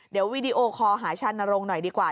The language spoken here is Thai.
เดี๋ยววีดีโอคอลหาชานรงค์หน่อยดีกว่า